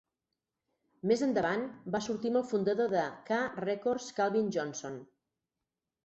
Més endavant, va sortir amb el fundador de K Records Calvin Johnson.